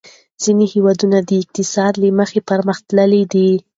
ځینې هېوادونه د اقتصاد له مخې پرمختللي دي.